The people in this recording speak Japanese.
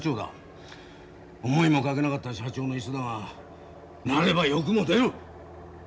思いもかけなかった社長の椅子だがなれば欲も出る！